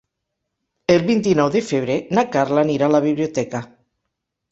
El vint-i-nou de febrer na Carla anirà a la biblioteca.